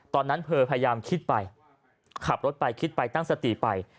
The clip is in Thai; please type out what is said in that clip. ตอนนั้นเธอพยายามคิดไปขับรถไปคิดไปตั้งสติไป